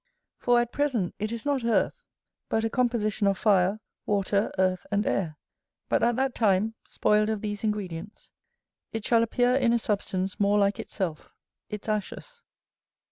For at present it is not earth, but a composition of fire, water, earth, and air; but at that time, spoiled of these ingredients, it shall appear in a substance more like itself, its ashes.